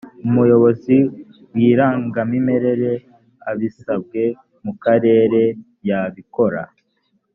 umuyobozi w’irangamimerere abisabwe mu karere yabikora